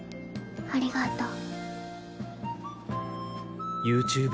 ありがとう。